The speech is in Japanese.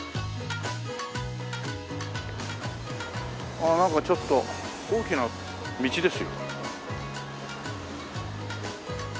ああなんかちょっと大きな道ですよ。